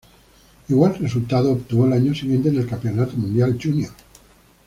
Igual resultado obtuvo el año siguiente en el Campeonato Mundial Junior.